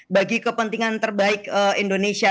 bagi kepentingan terbaik indonesia